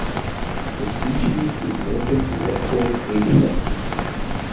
The species is native to Western Asia.